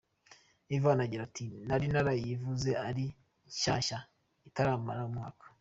Ivan agira ati “Nari narayiguze ari nshyashya itaramara umwaka.